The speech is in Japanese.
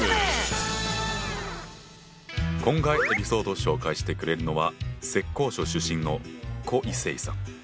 今回エピソードを紹介してくれるのは浙江省出身の胡怡晟さん。